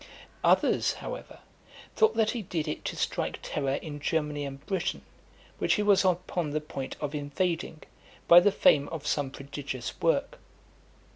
Others, however, thought that he did it to strike terror in Germany and Britain, which he was upon the point of invading, by the fame of some prodigious work.